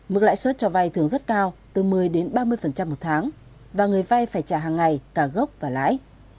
mức lãi suất cho vai thường rất cao từ một mươi đến ba mươi một tháng và người vai phải trả hàng ngày cả gốc và lãi